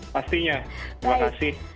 pastinya terima kasih